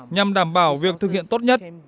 nhằm đảm bảo việc thực hiện tốt nhất